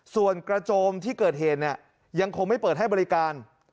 ส่วนกระโจมที่เกิดเหตุเนี่ยยังคงไม่เปิดให้บริการ